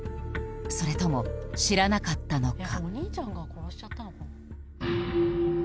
それとも知らなかったのか？